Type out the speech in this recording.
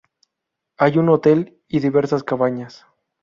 Hay un hotel y diversas cabañas.